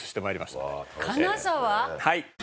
はい。